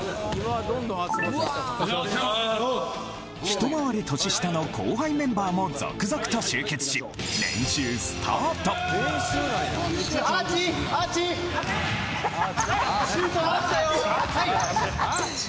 一回り年下の後輩メンバーも続々と集結しアーチ？